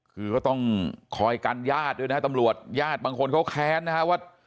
คือก็ต้องคอยกันญาติด้วยนะฮะตำรวจญาติบางคนเขาแค้นนะฮะว่า